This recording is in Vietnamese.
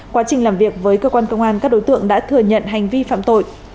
quá trình làm việc với cơ quan công an các đối tượng đã thừa nhận hành vi phạm tội